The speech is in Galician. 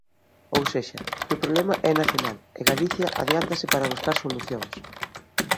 Ou sexa, que o problema é nacional e Galicia adiántase para buscar solucións.